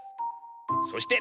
そして。